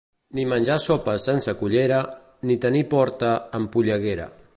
Ni menjar sopes sense cullera, ni tenir porta amb polleguera.